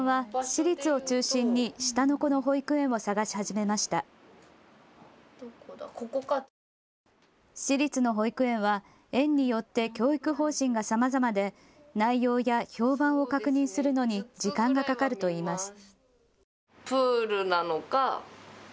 私立の保育園は園によって教育方針がさまざまで内容や評判を確認するのに時間がかかるといいます。